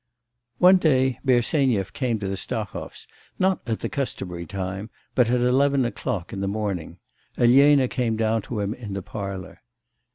One day Bersenyev came to the Stahovs, not at the customary time, but at eleven o'clock in the morning. Elena came down to him in the parlour.